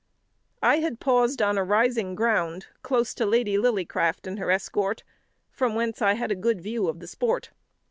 ] I had paused on a rising ground, close to Lady Lillycraft and her escort, from whence I had a good view of the sport.